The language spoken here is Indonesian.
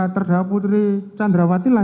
terdakwa putri candrawati lah